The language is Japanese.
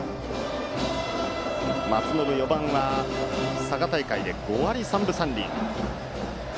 ４番の松延は佐賀大会で５割３分３厘。